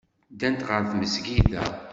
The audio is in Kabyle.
Ddant ɣer tmesgida.